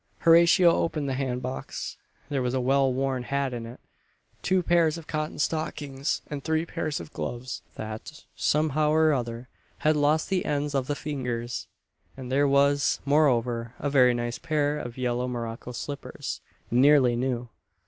Horatio opened the hand box. There was a well worn hat in it, two pairs of cotton stockings, and three pairs of gloves that, somehow or other, had lost the ends of the fingers; and there was, moreover, a very nice pair of yellow morocco slippers, nearly new.